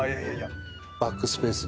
バックスペースに。